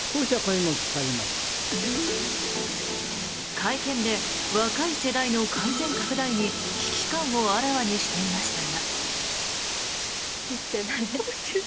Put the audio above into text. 会見で若い世代の感染拡大に危機感をあらわにしていましたが。